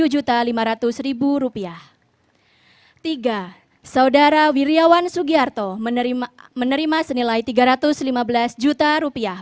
tiga medali emas pelatih saudara wirjawan sugiharto menerima senilai tiga ratus lima belas rupiah